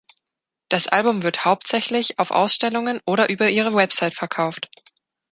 Das Album wird hauptsächlich auf Ausstellungen oder über ihre Website verkauft.